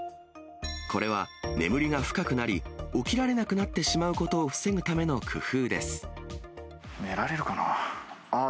これは眠りが深くなり、起きられなくなってしまうことを防ぐため寝られるかなぁ。